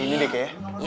ini deh kayaknya